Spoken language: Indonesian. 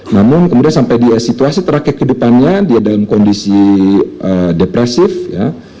namun kemudian sampai dia situasi terakhir kehidupannya dia dalam kondisi depresif ya